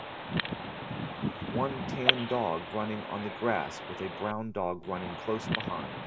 one tan dog running on the grass with a brown dog running close behind